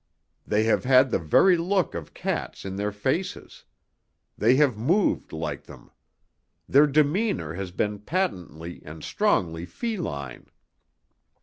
They have had the very look of cats in their faces. They have moved like them. Their demeanour has been patently and strongly feline.